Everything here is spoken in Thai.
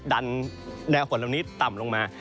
ดันแนวฝนละวันนี้ต่ำลงมา